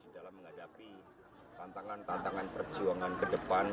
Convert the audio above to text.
dalam menghadapi tantangan tantangan perjuangan ke depan